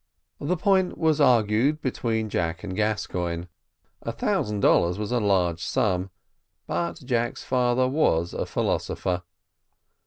The point was argued between Jack and Gascoigne. A thousand dollars was a large sum, but Jack's father was a philosopher.